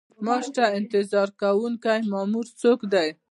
معاش ته انتظار کوونکی مامور څوک دی؟